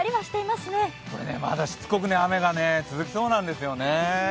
まだしつこく雨が続きそうなんですよね。